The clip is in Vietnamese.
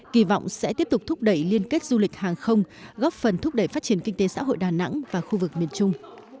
kỳ vọng sẽ tiếp tục thúc đẩy liên kết du lịch hàng không góp phần thúc đẩy phát triển kinh tế xã hội đà nẵng và khu vực miền trung